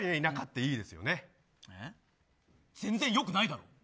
全然、良くないだろ。